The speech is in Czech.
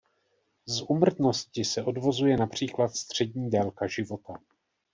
Z úmrtnosti se odvozuje například střední délka života.